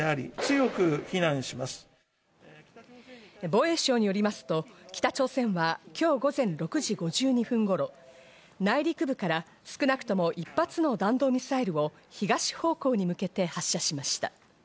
防衛省によりますと、北朝鮮はきょう午前６時５２分頃、内陸部から少なくとも１発の弾道ミサイルを東方向に向けて発射しました。